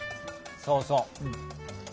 そうそう。